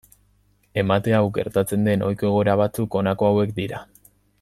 Emate hau gertatzen den ohiko egoera batzuk honako hauek dira.